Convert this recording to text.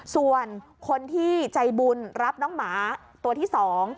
ส่วนคนที่ใจบุญรับน้องหมาตัวที่สอง